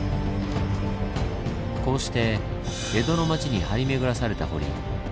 こうして江戸の町に張り巡らされた堀。